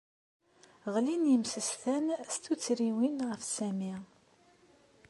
Ɣlin yimsestan s tuttriwin ɣef Sami.